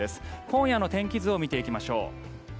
今夜の天気図を見ていきましょう。